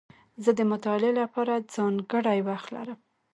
زه د مطالعې له پاره ځانګړی وخت لرم.